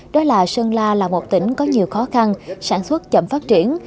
đó là sơn la là một tỉnh có nhiều khó khăn sản xuất chậm phát triển